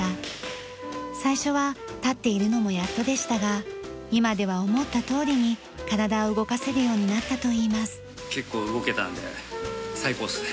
最初は立っているのもやっとでしたが今では思ったとおりに体を動かせるようになったといいます。